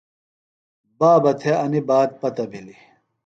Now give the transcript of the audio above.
بابہ تھےۡ انیۡ بات پتہ بِھلیۡ۔